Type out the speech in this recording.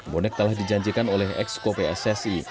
bonek telah dijanjikan oleh exco pssi